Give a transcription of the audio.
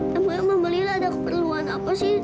namanya mama lila ada keperluan apa sih